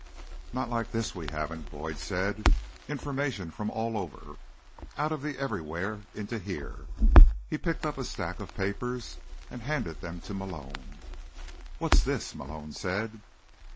"Not like this, we haven't," Boyd said. "Information from all over, out of the everywhere, into the here." He picked up a stack of papers and handed them to Malone. "What's this?" Malone said.